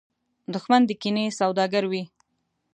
دښمن د کینې سوداګر وي